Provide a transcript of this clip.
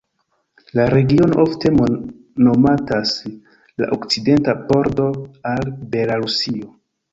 La regiono ofte nomatas la "okcidenta pordo" al Belarusio.